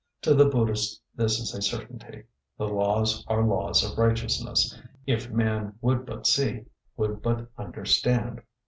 To the Buddhist this is a certainty. The laws are laws of righteousness, if man would but see, would but understand.